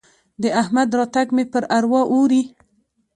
د احمد راتګ مې پر اروا اوري.